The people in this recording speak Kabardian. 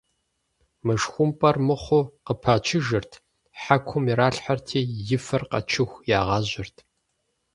Мышхумпӏэр мыхъуу къыпачыжырт, хьэкум иралъхьэрти, и фэр къэчэху, ягъажьэрт.